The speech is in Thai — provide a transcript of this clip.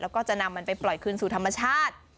แล้วก็จะนำมันไปปล่อยคืนสู่ธรรมชาติ